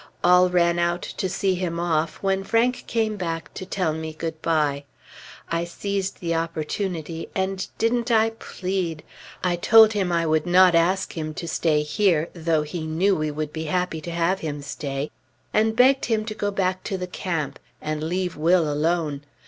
All ran out to see him off, when Frank came back to tell me good bye. I seized the opportunity, and didn't I plead! I told him I would not ask him to stay here, though he knew we would be happy to have him stay; and begged him to go back to the camp, and leave Will alone....